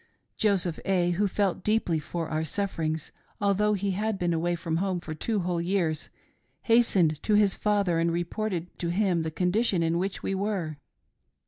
Joseph A., who felt deeply for our sufferings, although he had been away from home for two whole years, hastened to liis father and reported to him the condition in which we were.